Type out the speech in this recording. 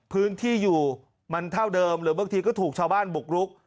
พื้นที่อยู่มันเท่าเดิมหรือบางทีก็ถูกชาวบ้านบุกรุก